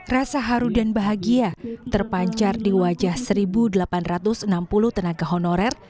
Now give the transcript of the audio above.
rasa haru dan bahagia terpancar di wajah satu delapan ratus enam puluh tenaga honorer